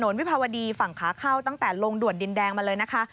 วิภาวดีฝั่งขาเข้าตั้งแต่ลงด่วนดินแดงมาเลยนะคะ